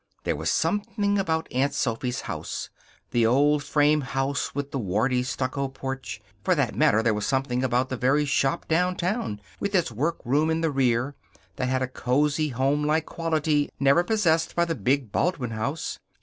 There was something about Aunt Sophy's house the old frame house with the warty stucco porch. For that matter, there was something about the very shop downtown, with its workroom in the rear, that had a cozy, homelike quality never possessed by the big Baldwin house.